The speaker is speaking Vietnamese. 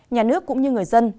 nhà nước cũng như người dân